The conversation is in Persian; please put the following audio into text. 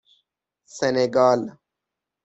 سنگال